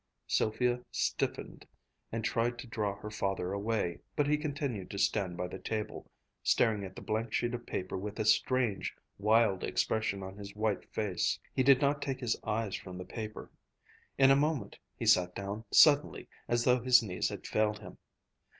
Sylvia stiffened and tried to draw her father away, but he continued to stand by the table, staring at the blank sheet of paper with a strange, wild expression on his white face. He did not take his eyes from the paper. In a moment, he sat down suddenly, as though his knees had failed him.